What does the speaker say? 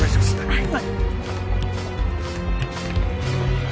はい！